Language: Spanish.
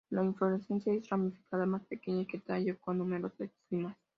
La inflorescencia es ramificada, más pequeña que el tallo, con numerosas cimas.